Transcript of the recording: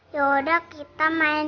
yaudah kita main